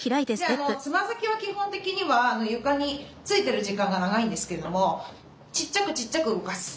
つま先は基本的には床についてる時間が長いんですけれどもちっちゃくちっちゃく動かす。